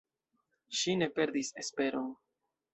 Ŝi ne perdis esperon.